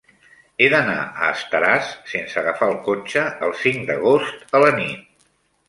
He d'anar a Estaràs sense agafar el cotxe el cinc d'agost a la nit.